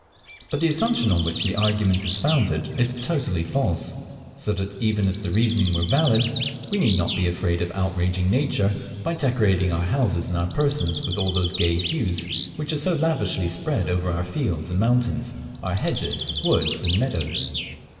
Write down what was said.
But the assumption on which the argument is founded is totally false, so that even if the reasoning were valid, we need not be afraid of outraging nature, by decorating our houses and our persons with all those gay hues which are so lavishly spread over our fields and mountains, our hedges, woods, and meadows.